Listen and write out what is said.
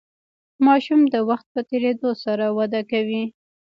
ماشوم د وخت په تیریدو سره وده کوي.